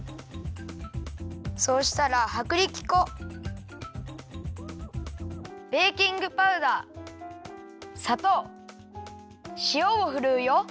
そうしたらはくりき粉ベーキングパウダーさとうしおをふるうよ。